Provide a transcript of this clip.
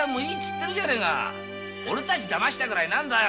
オレたちだましたぐらい何だよ！